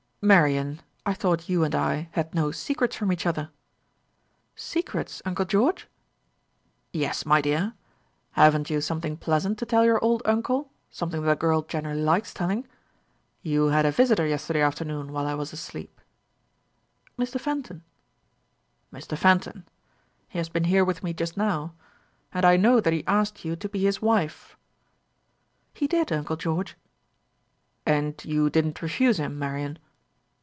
"Marian, I thought you and I had no secrets from each other?" "Secrets, uncle George!" "Yes, my dear. Haven't you something pleasant to tell your old uncle something that a girl generally likes telling? You had a visitor yesterday afternoon while I was asleep." "Mr. Fenton." "Mr. Fenton. He has been here with me just now; and I know that he asked you to be his wife." "He did, uncle George." "And you didn't refuse him, Marian?"